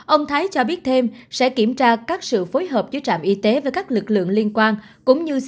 ông thái cho biết thêm sẽ kiểm tra các sự phối hợp giữa trạm y tế với các lực lượng liên quan cũng như